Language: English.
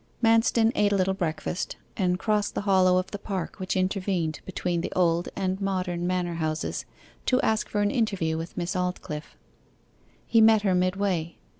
Manston ate a little breakfast, and crossed the hollow of the park which intervened between the old and modern manor houses, to ask for an interview with Miss Aldclyffe. He met her midway.